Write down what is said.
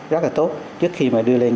rất là tốt trước khi mà đưa lên